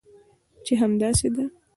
چې همداسې ده؟